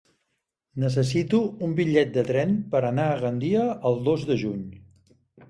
Necessito un bitllet de tren per anar a Gandia el dos de juny.